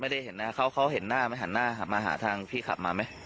ไม่ได้เห็นนะเขาเห็นหน้าไหมหันหน้ามาหาทางพี่ขับมาไหม